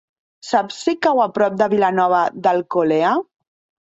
Saps si cau a prop de Vilanova d'Alcolea?